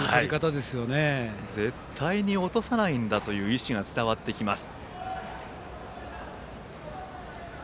絶対に落とさないという意思が伝わってきます。